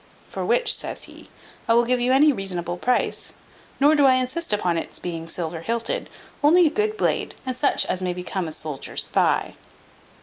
"For which," says he, "I will give you any reasonable price; nor do I insist upon its being silver hilted; only a good blade, and such as may become a soldier's thigh."